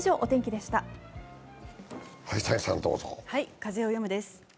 「風をよむ」です。